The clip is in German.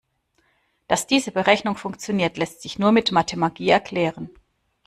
Dass diese Berechnung funktioniert, lässt sich nur mit Mathemagie erklären.